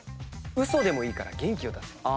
ウソでもいいから元気を出せ！